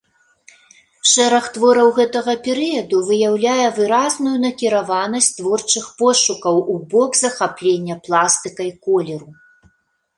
Шэраг твораў гэтага перыяду выяўляе выразную накіраванасць творчых пошукаў у бок захаплення пластыкай колеру.